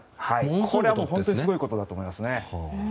これは本当にすごいことだと思います。